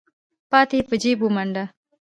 پاتې يې په جېب ومنډه.